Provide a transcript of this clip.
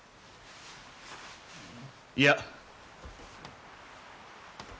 いや。